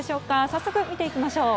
早速、見ていきましょう。